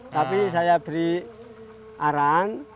tapi saya beri arahan